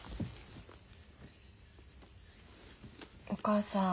お母さん。